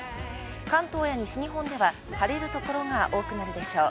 関東や西日本では晴れる所が多くなるでしょう。